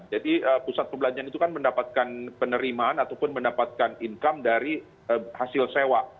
jadi pusat belanja itu kan mendapatkan penerimaan ataupun mendapatkan income dari hasil sewa